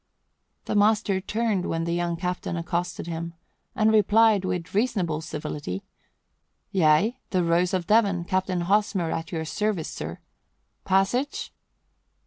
The master turned when the young captain accosted him, and replied, with reasonable civility, "Yea, the Rose of Devon, Captain Hosmer, at your service, sir. Passage?